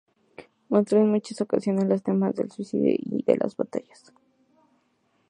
Mostró en muchas ocasiones los temas del suicidio y de las batallas.